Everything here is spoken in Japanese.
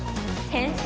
変身！